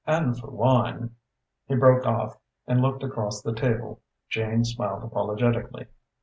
And for wine " He broke off and looked across the table. Jane smiled apologetically.